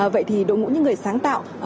vậy thì đội ngũ những người sáng tạo